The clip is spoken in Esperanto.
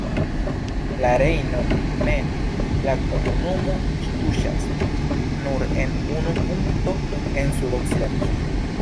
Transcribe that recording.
La Rejnon mem, la komunumo tuŝas nur en unu punkto en sudokcidento.